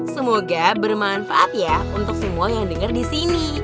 semoga bermanfaat ya untuk semua yang denger disini